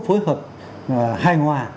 phối hợp hài hòa